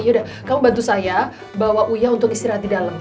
yaudah kamu bantu saya bawa uyah untuk istirahat di dalam